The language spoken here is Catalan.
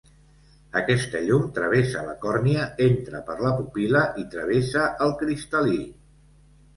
Aquesta llum travessa la còrnia, entra per la pupil·la i travessa el cristal·lí.